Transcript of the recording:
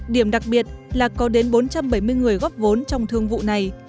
điểm đặc biệt là có đến bốn trăm bảy mươi người góp vốn trong thương vụ này